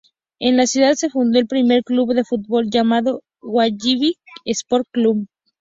En la ciudad se fundó el primer club de fútbol llamado Guayaquil Sport Club.